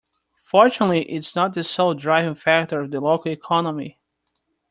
Fortunately its not the sole driving factor of the local economy.